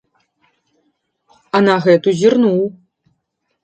А на гэту зірнуў.